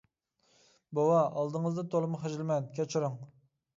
— بوۋا، ئالدىڭىزدا تولىمۇ خىجىلمەن، كەچۈرۈڭ!